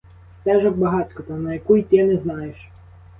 Стежок багацько — та на яку йти, не знаєш!